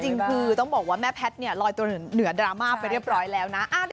จริงคือต้องบอกว่าแม่แพทย์เนี่ยลอยตัวเหนือดราม่าไปเรียบร้อยแล้วนะ